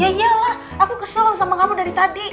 yaiyalah aku kesel sama kamu dari tadi